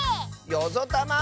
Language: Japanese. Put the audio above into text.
よぞたま！